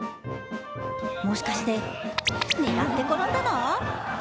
もしかして狙って転んだの？